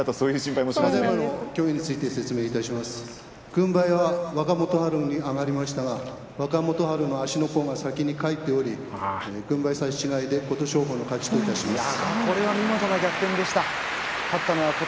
軍配は若元春に上がりましたが若元春の足の甲が先に返っており軍配差し違えで琴勝峰の勝ちといたします。